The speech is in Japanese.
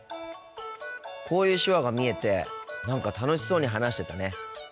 こういう手話が見えて何か楽しそうに話してたね。